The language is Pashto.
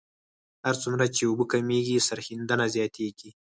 هر څومره چې اوبه کمیږي سریښېدنه زیاتیږي